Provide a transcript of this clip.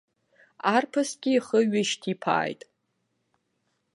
Арԥысгьы ихы ҩышьҭиԥааит.